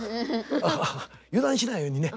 油断しないようにね。